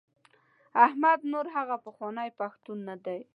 احمد نور هغه پخوانی پښتون نه دی.